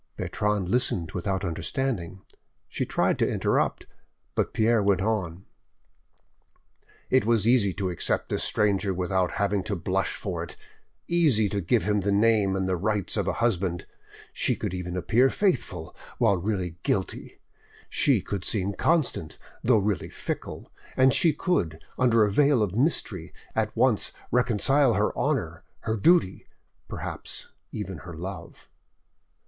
Bertrande listened without understanding; she tried to interrupt, but Pierre went on— "It was easy to accept this stranger without having to blush for it, easy to give him the name and the rights of a husband! She could even appear faithful while really guilty; she could seem constant, though really fickle; and she could, under a veil of mystery, at once reconcile her honour, her duty—perhaps even her love."